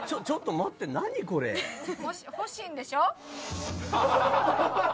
欲しいんでしょ？